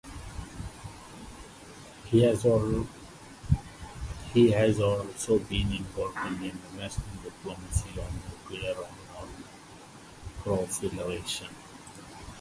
He has also been involved in international diplomacy on nuclear non-proliferation.